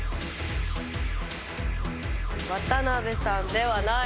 渡辺さんではない。